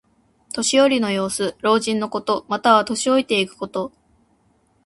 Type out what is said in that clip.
年寄りの様子。老人のこと。または、年老いていくこと。